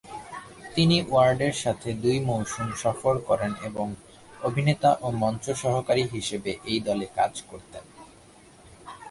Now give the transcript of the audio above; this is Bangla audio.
তিনি ওয়ার্ডের সাথে দুই মৌসুম সফর করেন, এবং অভিনেতা ও মঞ্চ সহকারী হিসেবে এই দলে কাজ করতেন।